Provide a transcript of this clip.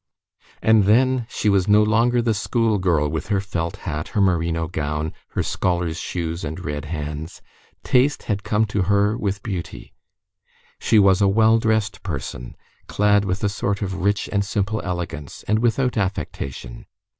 And then, she was no longer the school girl with her felt hat, her merino gown, her scholar's shoes, and red hands; taste had come to her with beauty; she was a well dressed person, clad with a sort of rich and simple elegance, and without affectation.